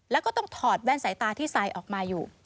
แล้วก็ต้องถอดแว่นสายตาที่ใส่ออกมาอยู่